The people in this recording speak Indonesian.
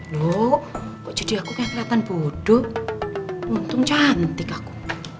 loh kok jadi aku kayak kelihatan bodoh untung cantik aku